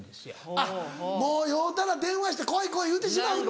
あっもう酔うたら電話して「来い来い」言うてしまうんだ。